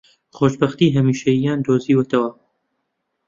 خۆشبەختیی هەمیشەییان دۆزیوەتەوە